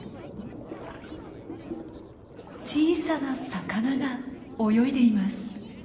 小さな魚が泳いでいます。